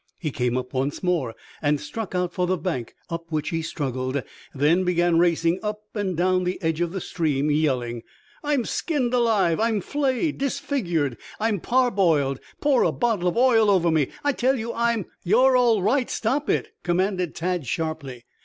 He came up once more and struck out for the bank, up which he struggled, then began racing up and down the edge of the stream yelling: "I'm skinned alive! I'm flayed, disfigured! I'm parboiled! Pour a bottle of oil over me. I tell you I'm " "You're all right. Stop it!" commanded Tad sharply.